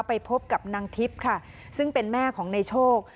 ไปพบกับนางทิพย์ค่ะซึ่งเป็นแม่ของในโชค